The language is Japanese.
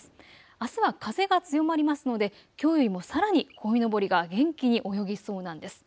あすは風が強まりますのできょうよりもさらにこいのぼりが元気に泳ぎそうなんです。